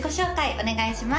お願いします